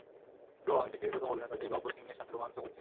Bro, আমি পৃথিবীর প্রথম অভিনেতা যে গব্বর সিংয়ের সাথে রোমাঞ্চ করছি!